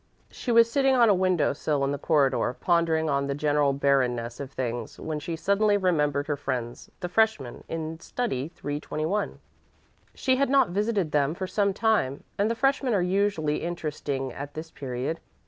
She was sitting on a window sill in the corridor, pondering on the general barrenness of things, when she suddenly remembered her friends the freshmen in study 321. She had not visited them for some time, and freshmen are usually interesting at this period.